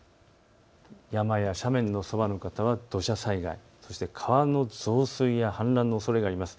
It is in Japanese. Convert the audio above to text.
山や斜面のそばの方は土砂災害、そして川の増水や氾濫のおそれがあります。